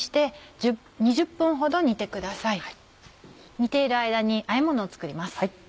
煮ている間にあえものを作ります。